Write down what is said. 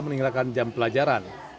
meninggalkan jam pelajaran